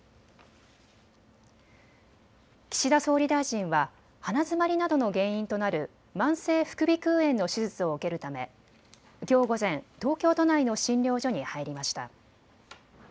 岸田総理大臣は鼻づまりなどの原因となる慢性副鼻くう炎の手術を受けるためきょう午前、東京都内の診療所に入りました。